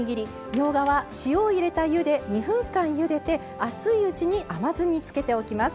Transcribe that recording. みょうがは塩を入れた湯で２分間ゆでて熱いうちに甘酢に漬けておきます。